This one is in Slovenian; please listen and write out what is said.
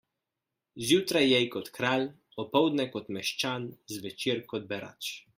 Zjutraj jej kot kralj, opoldne kot meščan, zvečer kot berač.